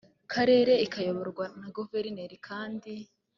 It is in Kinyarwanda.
karere ikayoborwa na guverineri kandi